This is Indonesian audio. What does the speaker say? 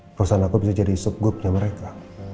perusahaan aku bisa jadi sub grupnya mereka